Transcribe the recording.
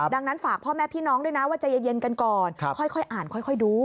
ดังนั้นฝากพ่อแม่พี่น้องด้วยนะว่าใจเย็นกันก่อนค่อยอ่านค่อยดู